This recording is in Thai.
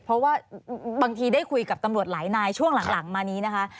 เพราะว่าบางทีได้คุยกับตำรวจหลายนายช่วงหลังมานี้นะคะ